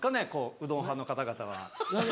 うどん派の方々は。